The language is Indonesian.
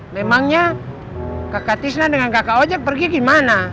memangnya kakak tisna dengan kakak aja pergi gimana